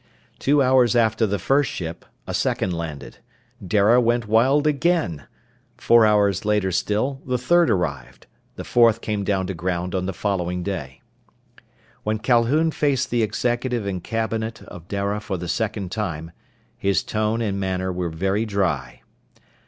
Two hours after the first ship, a second landed. Dara went wild again. Four hours later still, the third arrived. The fourth came down to ground on the following day. When Calhoun faced the executive and cabinet of Dara for the second time his tone and manner were very dry.